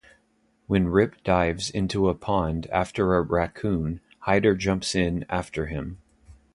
When Rip dives into a pond after a raccoon, Hyder jumps in after him.